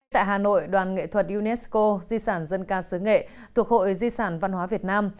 tại hà nội đoàn nghệ thuật unesco di sản dân ca sứ nghệ thuộc hội di sản văn hóa việt nam